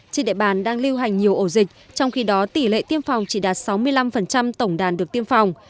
trên địa bàn đang lưu hành nhiều ổ dịch trong khi đó tỷ lệ tiêm phòng chỉ đạt sáu mươi năm tổng đàn được tiêm phòng